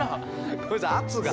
ごめんなさい圧が。